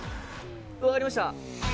分かりました。